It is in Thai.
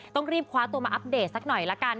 ต้องรีบคว้าตัวมาอัปเดตสักหน่อยละกัน